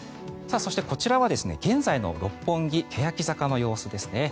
そして、こちらは現在の六本木・けやき坂の様子ですね。